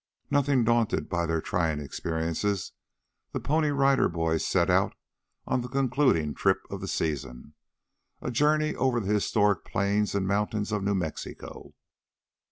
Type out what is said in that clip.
Nothing daunted by their trying experiences the Pony Rider Boys set out on the concluding trip of the season a journey over the historic plains and mountains of New Mexico.